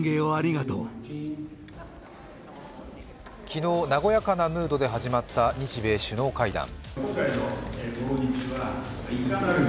昨日、和やかなムードで始まった日米首脳会談。